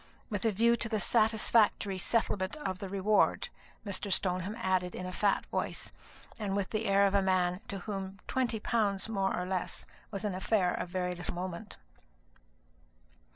"With a view to the satisfactory settlement of the reward," Mr. Stoneham added in a fat voice, and with the air of a man to whom twenty pounds more or less was an affair of very little moment.